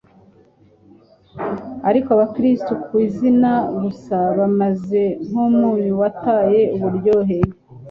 Ariko abakristo ku izina gusa bameze nk'umunyu wataye uburyohe.